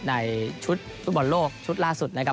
ในชุดฟุตบอลโลกชุดล่าสุดนะครับ